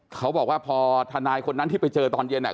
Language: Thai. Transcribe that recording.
เขาบอกว่าพอทนายคนนั้นที่ไปเจอตอนเย็นเนี่ย